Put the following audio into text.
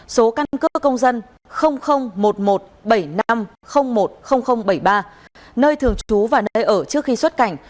số căn cơ công dân một nghìn một trăm bảy mươi năm một mươi nghìn bảy mươi ba nơi thường trú và nơi ở trước khi xuất cảnh